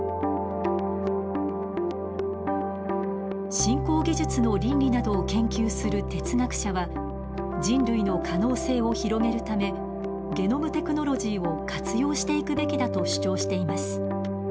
新興技術の倫理などを研究する哲学者は人類の可能性を広げるためゲノムテクノロジーを活用していくべきだと主張しています。